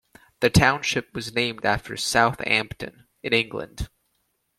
The township was named after Southampton, in England.